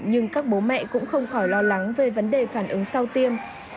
nhưng các bố mẹ cũng không khỏi lo lắng về vấn đề phản ứng sau tiêm